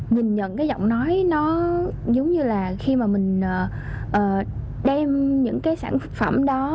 nhìn nhận cái giọng nói nó giống như là khi mà mình đem những cái sản phẩm đó